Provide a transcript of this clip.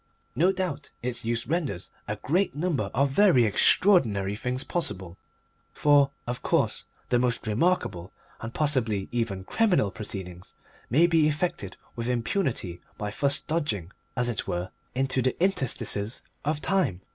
No doubt its use renders a great number of very extraordinary things possible; for, of course, the most remarkable and, possibly, even criminal proceedings may be effected with impunity by thus dodging, as it were, into the interstices of time.